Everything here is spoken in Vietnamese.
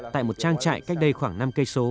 tại một trang trại cách đây khoảng năm km